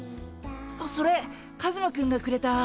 あっそれカズマくんがくれた。